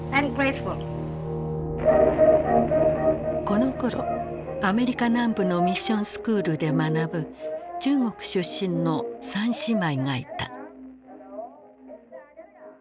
このころアメリカ南部のミッションスクールで学ぶ中国出身の三姉妹がいた。